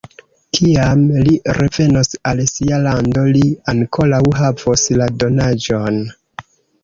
Kiam li revenos al sia lando, li ankoraŭ havos la donaĵon.